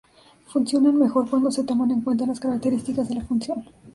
Funcionan mejor cuando se toman en cuenta las características de la función.